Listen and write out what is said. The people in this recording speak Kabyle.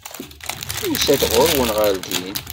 Yusa-d ɣur-wen, ɣer din.